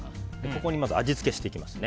ここに味付けしていきます。